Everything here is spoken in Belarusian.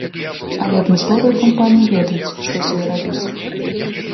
Але адмысловыя кампаніі ведаюць, што з ёй рабіць.